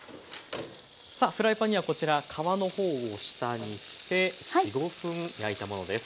さあフライパンにはこちら皮の方を下にして４５分焼いたものです。